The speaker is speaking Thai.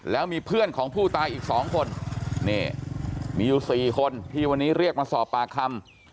แล้วมีเพื่อนของผู้ตายอีก๒คนนี่มีอยู่๔คนที่วันนี้เรียกมาสอบปากคำ